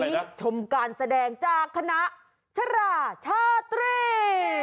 วันนี้ชมการแสดงจากคณะทราชาตรี